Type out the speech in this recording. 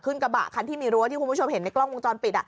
กระบะคันที่มีรั้วที่คุณผู้ชมเห็นในกล้องวงจรปิด